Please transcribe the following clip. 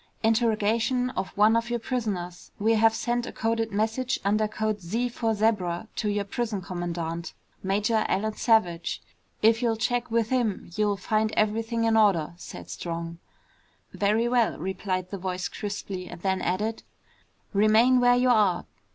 "Interrogation of one of your prisoners. We have sent a coded message, under code Z for Zebra to your prison commandant, Major Alan Savage. If you'll check with him, you'll find everything in order," said Strong. "Very well," replied the voice crisply, and then added, "Remain where you are.